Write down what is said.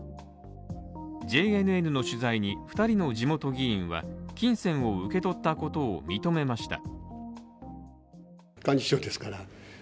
ＪＮＮの取材に２人の地元議員は、金銭を受け取ったことを認めました。